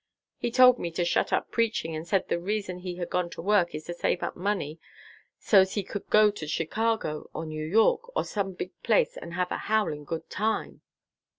He told me to shut up preaching, and said the reason he has gone to work is to save up money so's he could go to Chicago or New York, or some big place, and have a 'howling good time.'"